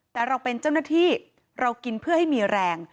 แต่เราเป็นเจ้าหน้าที่เรากินเพื่อให้มีแรง